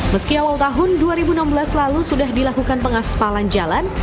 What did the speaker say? meski awal tahun dua ribu enam belas lalu sudah dilakukan pengaspalan jalan